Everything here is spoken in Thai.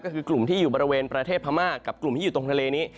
ก็คือกลุ่มที่อยู่บริเวณประเทศพม่ากับกลุ่มที่อยู่ตรงทะเลนี้